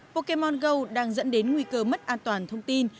pokemon go đang dẫn đến nguy cơ mất an toàn thông tin